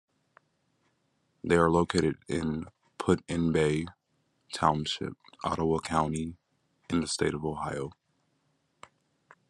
They are located in Put-in-Bay Township, Ottawa County in the state of Ohio.